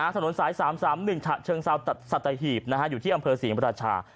สนุนสาย๓๓๑เชิงซาวสัตยาหีบอยู่ที่อำเภอศรีมรัชชา